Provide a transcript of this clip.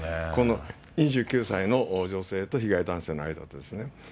２９歳の女性と被害男性の間でですね。